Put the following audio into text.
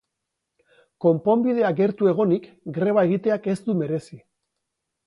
Konponbidea gertu egonik, greba egiteak ez du merezi.